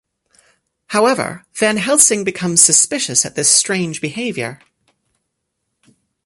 However, Van Helsing becomes suspicious at this strange behavior.